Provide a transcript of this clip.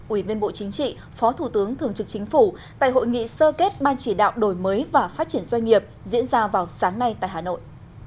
ủy viên bộ chính trị phó thủ tướng thường trực chính phủ tại hội nghị sơ kết ban chỉ đạo đổi mới và phát triển doanh nghiệp diễn ra vào sáng nay tại hà nội